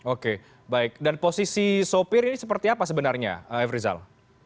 oke baik dan posisi sopir ini seperti apa sebenarnya f rizal